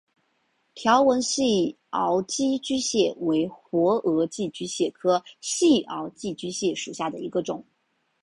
条纹细螯寄居蟹为活额寄居蟹科细螯寄居蟹属下的一个种。